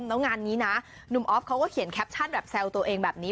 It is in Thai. แล้วงานนี้นะหนุ่มออฟเขาก็เขียนแคปชั่นแบบแซวตัวเองแบบนี้